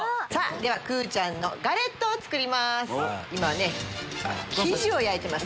ではくーちゃんのガレットを作ります。